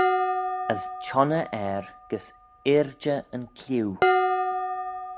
As çhionney er gys irjey yn clieau.